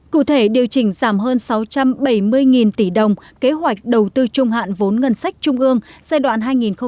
cụ thể điều chỉnh giảm hơn sáu trăm bảy mươi tỷ đồng kế hoạch đầu tư trung hạn vốn ngân sách trung ương giai đoạn hai nghìn một mươi sáu hai nghìn hai mươi